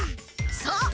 そう！